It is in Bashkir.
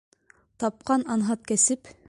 Тапҡан анһат кәсеп!